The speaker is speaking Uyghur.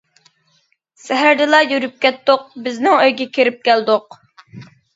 سەھەردىلا يۈرۈپ كەتتۇق، بىزنىڭ ئۆيگە كىرىپ كەلدۇق.